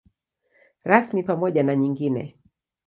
Rasmi pamoja na nyingine.